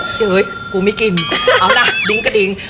เฉยกูไม่กินเอาล่ะดุ้งกระดิง